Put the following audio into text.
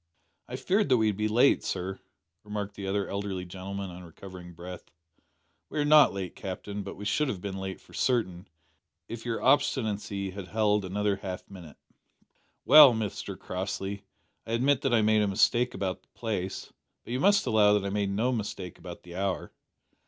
"I feared that we'd be late, sir," remarked the other elderly gentleman on recovering breath. "We are not late, Captain, but we should have been late for certain, if your obstinacy had held another half minute." "Well, Mr Crossley, I admit that I made a mistake about the place, but you must allow that I made no mistake about the hour.